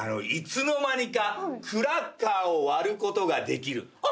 いつの間にかクラッカーを割ることができる。